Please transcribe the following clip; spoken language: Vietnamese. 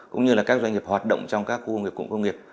cũng như là các doanh nghiệp hoạt động trong các khu công nghiệp